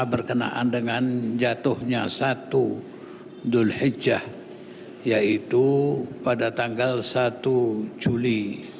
berkenaan dengan jatuhnya satu dhul hijjah yaitu pada tanggal satu juli dua ribu dua puluh dua